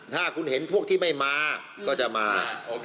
ถ้าคุณเห็นพวกที่ไม่มาก็จะมา